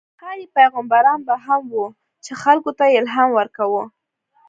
ښايي پیغمبران به هم وو، چې خلکو ته یې الهام ورکاوه.